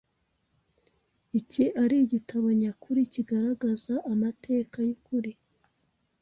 iki ari igitabo nyakuri kigaragaza amateka y’ukuri